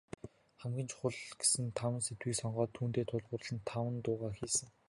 Хамгийн чухал гэсэн таван сэдвийг сонгоод, түүндээ тулгуурлан таван дуугаа хийсэн.